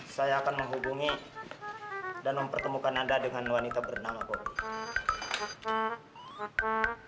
saya akan menghubungi dan mempertemukan anda dengan wanita bernama bobby